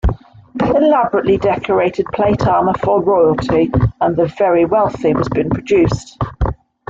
Elaborately decorated plate armour for royalty and the very wealthy was being produced.